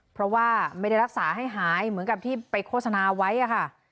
เพราะว่าไม่ได้รักษาให้หายเหมือนกับที่ไปโฆษณาไว้ค่ะ